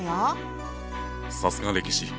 さすが歴史！